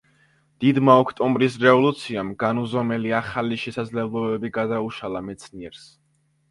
დიდმა ოქტომბრის რევოლუციამ განუზომელი ახალი შესაძლებლობები გადაუშალა მეცნიერს.